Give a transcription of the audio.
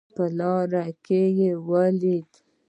په لاره کې ولیدل.